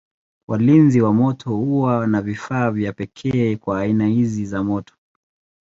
Walinzi wa moto huwa na vifaa vya pekee kwa aina hizi za moto.